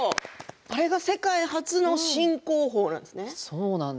あれが世界初の新工法なんですね。